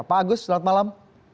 pak agus selamat malam